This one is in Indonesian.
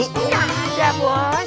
enggak ada bos